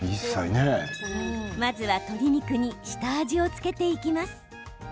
まずは鶏肉に下味を付けていきます。